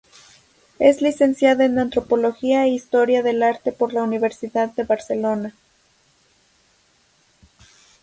Es licenciada en Antropología e Historia del Arte por la Universidad de Barcelona.